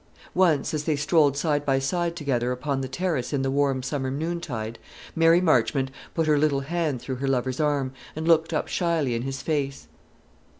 Once, as they strolled side by side together upon the terrace in the warm summer noontide, Mary Marchmont put her little hand through her lover's arm, and looked up shyly in his face.